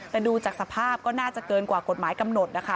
แต่ดูจากสภาพก็น่าจะเกินกว่ากฎหมายกำหนดนะคะ